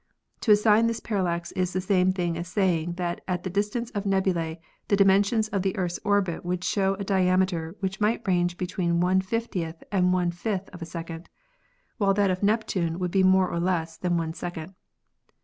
To as sign this parallax is the same thing as saying that at the distance of nebulae the dimensions of the Earth's orbit would show a diameter which might range between one fiftieth and one fifth of a second, while that of Neptune would be more or less than one second.